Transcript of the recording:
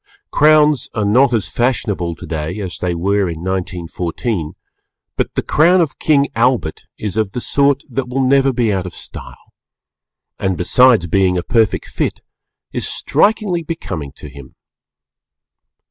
Crowns are not as fashionable today as they were in 1914, but the Crown of King Albert is of the sort that will never be out of style, and besides being a perfect fit, is strikingly becoming to him.